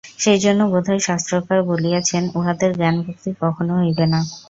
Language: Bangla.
সেইজন্যই বোধ হয় শাস্ত্রকার বলিয়াছেন, উহাদের জ্ঞানভক্তি কখনও হইবে না।